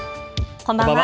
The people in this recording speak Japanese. こんばんは。